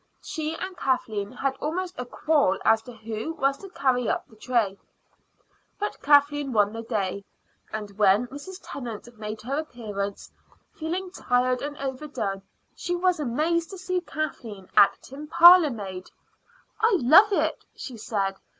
She and Kathleen had almost a quarrel as to who was to carry up the tray, but Kathleen won the day; and when Mrs. Tennant made her appearance, feeling tired and overdone, she was amazed to see Kathleen acting parlor maid. "I love it," she said.